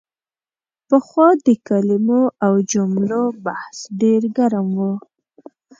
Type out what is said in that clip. پخوا د کلمو او جملو بحث ډېر ګرم و.